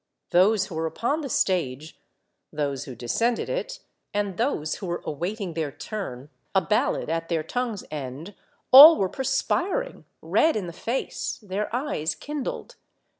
Those who were upon the stage, those who descended it, and those who were await ing their turn, a ballad at their tongue's end, all were perspiring, red in the face, their eyes kindled.